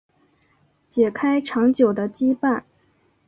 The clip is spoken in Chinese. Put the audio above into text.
解开长久的羁绊